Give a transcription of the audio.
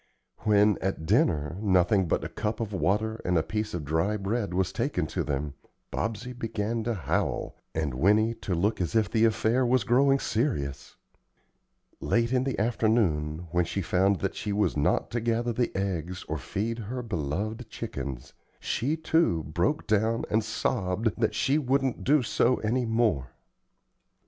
When, at dinner, nothing but a cup of water and a piece of dry bread was taken to them, Bobsey began to howl, and Winnie to look as if the affair was growing serious. Late in the afternoon, when she found that she was not to gather the eggs or feed her beloved chickens, she, too, broke down and sobbed that she "wouldn't do so any more."